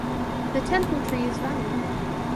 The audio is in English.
The temple tree is vanni.